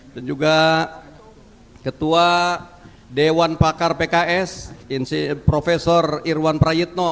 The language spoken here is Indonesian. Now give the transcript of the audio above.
dan juga ketua dewan pakar pks profesor irwan prayitno